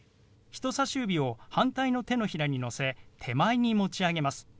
人さし指を反対の手のひらにのせ手前に持ち上げます。